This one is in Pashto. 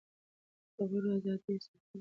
د خبرو ازادي يې ساتله.